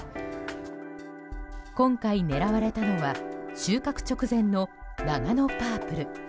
今回、狙われたのは収穫直前のナガノパープル。